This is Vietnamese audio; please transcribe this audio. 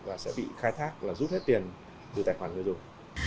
và sẽ bị khai thác là rút hết tiền từ tài khoản người dùng